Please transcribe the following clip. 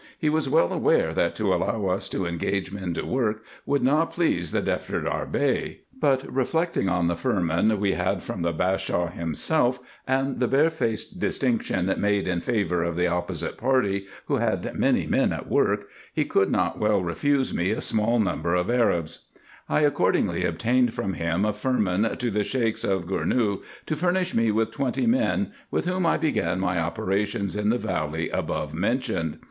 He was well aware, that to allow us to engage men to work would not please the Defterdar Bey ; but reflecting on the firman we had from the Bashaw himself, and the barefaced distinction made in favour of the opposite party, who had many men at work, he could not well refuse me a small number of 222 RESEARCHES AND OPERATIONS Arabs. I accordingly obtained from him a firman to the Sheiks of Gournou, to furnish me with twenty men, with whom I began my operations in the valley above mentioned.